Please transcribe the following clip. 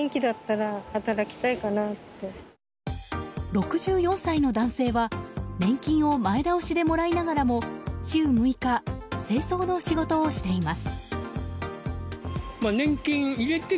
６４歳の男性は年金を前倒しでもらいながらも週６日、清掃の仕事をしています。